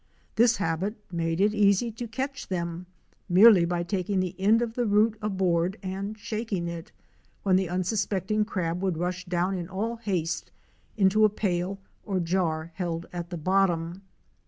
This habit made it easy to catch them, THE LAND OF A SINGLE TREE. 19 merely by taking the end of the root aboard and shaking it, when the unsuspecting crab would rush down in all haste into a pail or jar held at the bottom.